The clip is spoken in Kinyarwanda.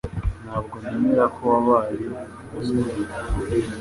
Ntabwo nemera ko wabaye umuswa